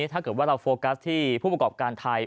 ถ้าเกิดว่าเราโฟกัสที่ผู้ประกอบการไทย